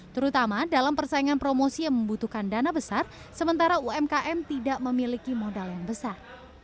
terutama dalam persaingan promosi yang membutuhkan dana besar sementara umkm tidak memiliki modal yang besar